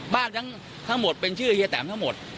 บ้านทั้งหมดเป็นชื่อเฮียแตมทั้งหมด